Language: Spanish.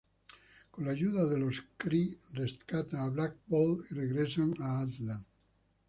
Con la ayuda de los Kree, rescatan a Black Bolt y regresan a Attilan.